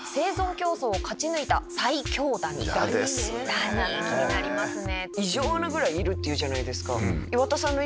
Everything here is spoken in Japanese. ダニ気になりますね。